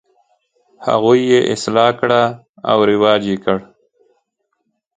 هغوی یې اصلاح کړه او رواج یې کړ.